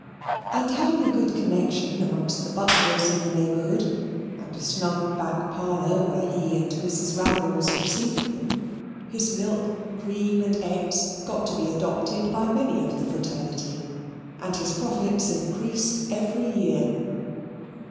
And having a good connection amongst the butlers in the neighbourhood, and a snug back parlour where he and Mrs. Raggles received them, his milk, cream, and eggs got to be adopted by many of the fraternity, and his profits increased every year.